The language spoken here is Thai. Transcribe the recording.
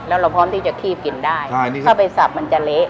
แล้วเราพร้อมที่จะคีบกินได้ถ้าไปสับมันจะเละ